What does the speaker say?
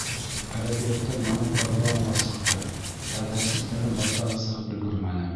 Әҙәбиәттән яңы программалар сыҡты, ә дәреслектәрҙең байтағы сығып өлгөрмәне.